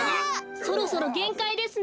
そろそろげんかいですね。